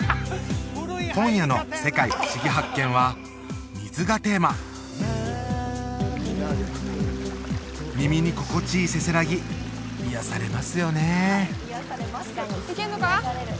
今夜の「世界ふしぎ発見！」は「水」がテーマ耳に心地いいせせらぎ癒やされますよね